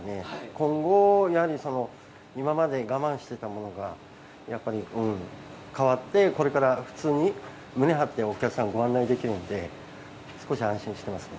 今後、今まで我慢していたものが変わって、これから普通に胸を張ってお客様をご案内できますので少し安心しています。